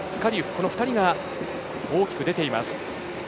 この２人が大きく出ています。